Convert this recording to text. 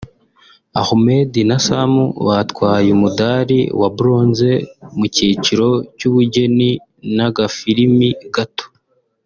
Ahmed na Sam batwaye umudari wa Bronze mu kiciro cy’ubugeni n’agafilimi gato